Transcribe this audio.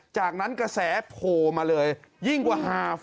จากนั้นกระแสโผล่มาเลยยิ่งกว่า๕๐